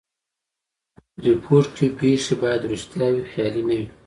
په ریپورټ کښي پېښي باید ریښتیا وي؛ خیالي نه وي.